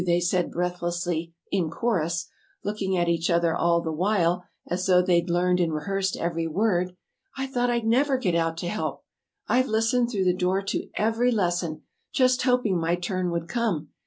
they said, breathlessly, in chorus (looking at each other all the while as though they'd learned and rehearsed every word). "I thought I'd never get out to help! I've listened through the door to every lesson, just hoping my turn would come.